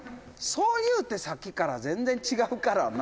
そう言うてさっきから全然違うからな」